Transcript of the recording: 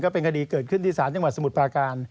เป็นคดีเกิดขึ้นที่ศาลจังหวัดสมุทรปราการ